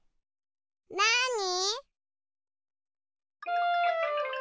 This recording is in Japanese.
なに？